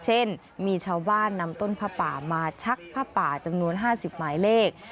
เช่นมีชาวบ้านนำต้นผ้าป่ามาชักผ้าป่าจำนวน๕๐หมายเลข